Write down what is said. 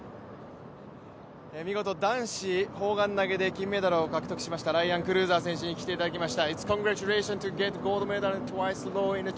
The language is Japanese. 見事男子砲丸投げで金メダルを獲得しましたライアン・クルーザー選手に来ていただきました。